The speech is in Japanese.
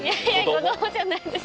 子供じゃないです。